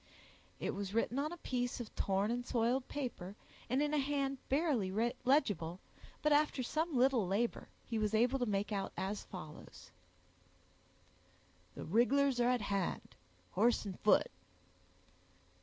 It was written on a piece of torn and soiled paper, and in a hand barely legible, but after some little labor, he was able to make out as follows— "_The rig'lars are at hand, horse and foot.